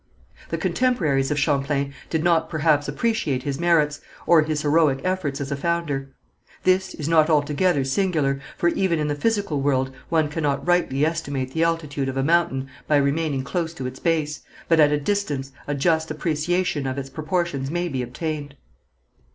The contemporaries of Champlain did not perhaps appreciate his merits, or his heroic efforts as a founder. This is not altogether singular, for even in the physical world one cannot rightly estimate the altitude of a mountain by remaining close to its base, but at a distance a just appreciation of its proportions may be obtained.